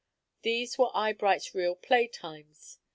These were Eyebright's real "play" times.